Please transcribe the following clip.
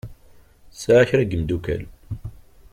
Tesεa kra n yemdukal.